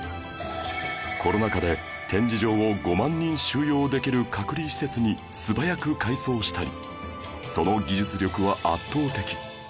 コロナ禍で展示場を５万人収容できる隔離施設に素早く改装したりその技術力は圧倒的